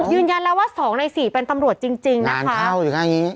ยืนยันแล้วว่าสองในสี่เป็นตำรวจจริงจริงนะคะเล่าอยู่ข้างอย่างงี้